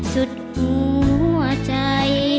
สุดหัวใจ